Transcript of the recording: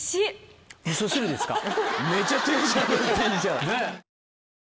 みそ汁ですか？